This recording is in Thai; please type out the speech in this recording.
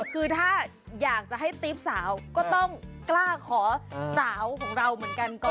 คือถ้าอยากจะให้ติ๊บสาวก็ต้องกล้าขอสาวของเราเหมือนกันก่อน